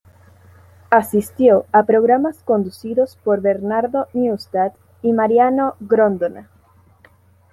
Asistió a programas conducidos por Bernardo Neustadt y Mariano Grondona.